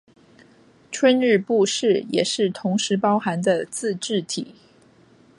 春日部市也是同时包含的自治体。